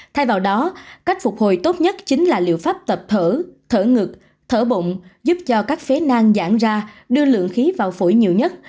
thay vào đó cách phục hồi tốt nhất chính là liệu pháp tập thở thở ngực thở bụng giúp cho các phế nang giãn ra đưa lượng khí vào phổi nhiều nhất